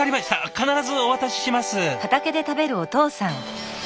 必ずお渡しします。